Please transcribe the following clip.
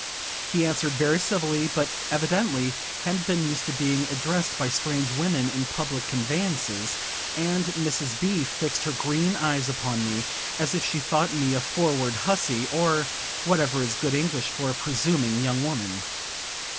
He answered very civilly, but evidently hadn't been used to being addressed by strange women in public conveyances; and Mrs. B. fixed her green eyes upon me, as if she thought me a forward huzzy, or whatever is good English for a presuming young woman.